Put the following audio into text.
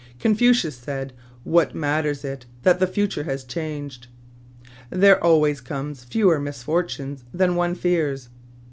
Confucius said, * What matters it that the future has changed ? There always come fewer misfortunes than one fears.'